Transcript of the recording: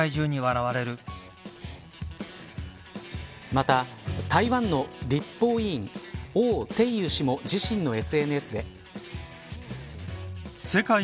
また台湾の立法委員王定宇氏も自身のＳＮＳで。